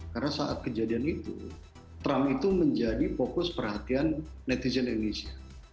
karena saat kejadian itu trump itu menjadi fokus perhatian netizen indonesia